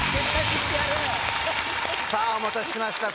お待たせしました